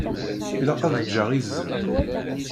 Ilaq ad ǧǧeɣ izen.